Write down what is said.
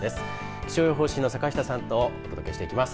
気象予報士の坂下さんとお伝えしていきます。